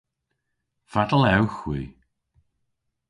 Fatel ewgh hwi?